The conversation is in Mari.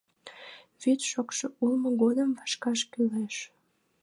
Вӱд шокшо улмо годым вашкаш кӱлеш.